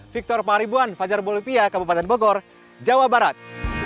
victor paribuan fajar bolivia kabupaten bogor jawa barat